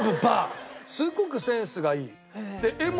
すごくセンスがいい。